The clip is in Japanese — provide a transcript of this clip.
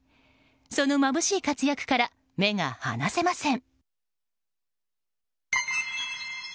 そのまぶしい活躍から目が離せません。